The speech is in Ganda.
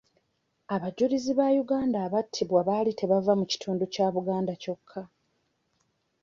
Abajulizi ba Uganda abattibwa baali tebava mu kitundu kya Buganda kyokka.